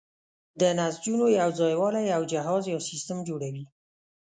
د نسجونو یوځای والی یو جهاز یا سیستم جوړوي.